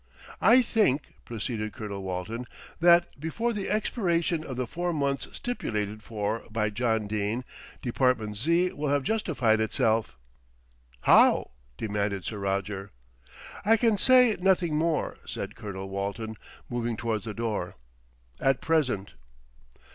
"I think," proceeded Colonel Walton, "that before the expiration of the four months stipulated for by John Dene, Department Z. will have justified itself." "How?" demanded Sir Roger. "I can say nothing more," said Colonel Walton, moving towards the door, "at present."